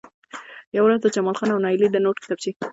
يوه ورځ د جمال خان او نايلې د نوټ کتابچې